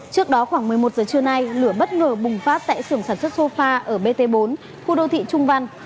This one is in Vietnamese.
trước đó khoảng một mươi một giờ trưa nay lửa bất ngờ bùng phát tại sưởng sản xuất sofa ở bt bốn khu đô thị trung văn